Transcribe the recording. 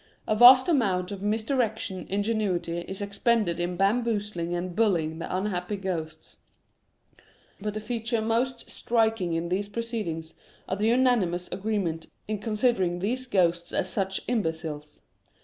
A vast amount of misdirected ingenuity is ex pended in bamboozling and bullying the unhappy ghosts ; but the feature most striking in these pro ceedings is the unanimous agreement in considering these ghosts as such imbeciles.